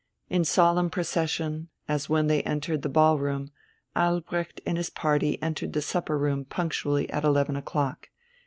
In solemn procession, as when they entered the ballroom, Albrecht and his party entered the supper room punctually at eleven o'clock.